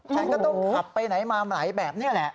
ฉันก็ต้องขับไปไหนมาไหนแบบนี้แหละ